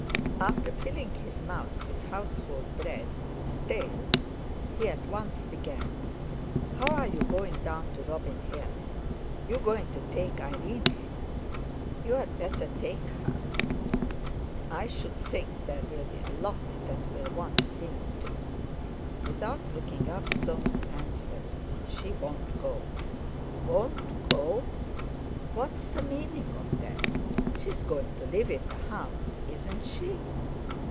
After filling his mouth with household bread, stale, he at once began: "How are you going down to Robin Hill? You going to take Irene? You'd better take her. I should think there'll be a lot that'll want seeing to." Without looking up, Soames answered: "She won't go." "Won't go? What's the meaning of that? She's going to live in the house, isn't she?"